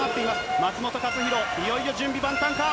松元克央、いよいよ準備万端か。